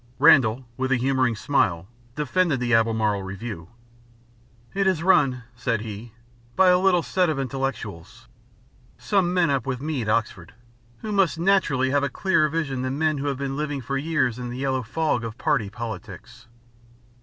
Randall, with a humouring smile, defended the Albemarle Review. "It is run," said he, "by a little set of intellectuals some men up with me at Oxford who must naturally have a clearer vision than men who have been living for years in the yellow fog of party politics."